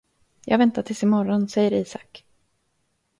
Jag väntar tills i morgon, säger Isak.